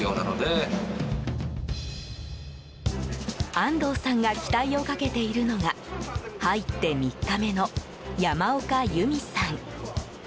安藤さんが期待をかけているのが入って３日目の山岡由美さん。